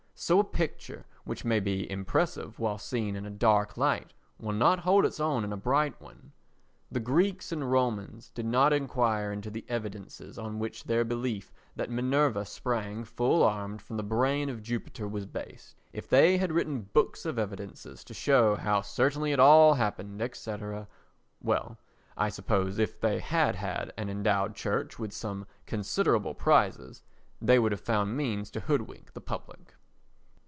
So a picture which may be impressive while seen in a dark light will not hold its own in a bright one. The Greeks and Romans did not enquire into the evidences on which their belief that Minerva sprang full armed from the brain of Jupiter was based. If they had written books of evidences to show how certainly it all happened, &c.—well, I suppose if they had had an endowed Church with some considerable prizes, they would have found means to hoodwink the public.